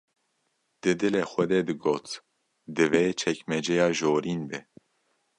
‘’Di dilê xwe de digot: Divê çekmeceya jorîn be.